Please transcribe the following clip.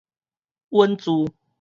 穩住